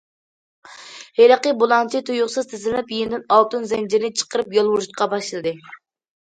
ھېلىقى بۇلاڭچى تۇيۇقسىز تىزلىنىپ، يېنىدىن ئالتۇن زەنجىرنى چىقىرىپ، يالۋۇرۇشقا باشلىدى.